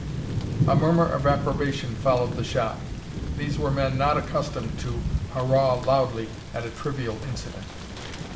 A murmur of approbation followed the shot. These were men not accustomed to hurrah loudly at a trivial incident.